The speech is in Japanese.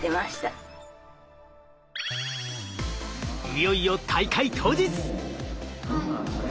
いよいよ大会当日。